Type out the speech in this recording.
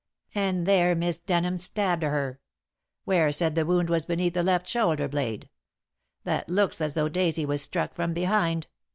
"And there Miss Denham stabbed her. Ware said the wound was beneath the left shoulder blade. That looks as though Daisy was struck from behind.